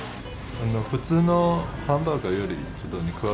普通のハンバーガーよりちょっと肉厚。